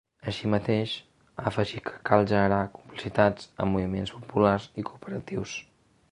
Així mateix, ha afegit que cal “generar complicitats” amb moviments populars i cooperatius.